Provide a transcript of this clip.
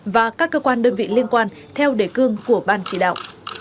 và các cơ quan đơn vị liên quan theo đề cương của ban chỉ đạo